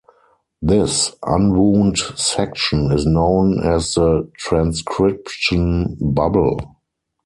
This unwound section is known as the transcription bubble.